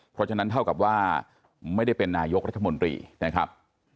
เพราะฉะนั้นเท่ากับว่าไม่ได้เป็นนายกรัฐมนตรีนะครับ